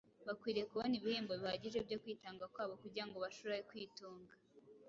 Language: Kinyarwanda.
bakwiriye kubona ibihembo bihagije byo kwitanga kwabo kugirango bashobore kwitunga